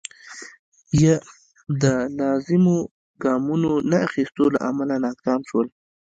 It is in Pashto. یا د لازمو ګامونو نه اخیستو له امله ناکام شول.